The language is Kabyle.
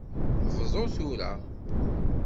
Bdu tura!